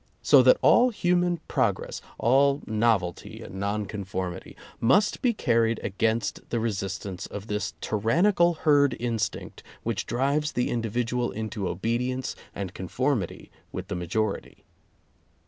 So that all human progress, all novelty, and non conformity, must be carried against the resistance of this tyrannical herd instinct which drives the individual into obedience and con formity with the majority.